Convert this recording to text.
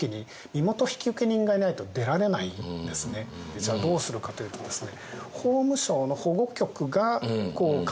じゃあどうするかというとですね